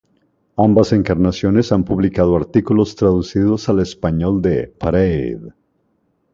Ambas encarnaciones han publicado artículos traducidos al español de "Parade".